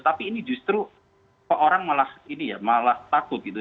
tapi ini justru orang malah ini ya malah takut gitu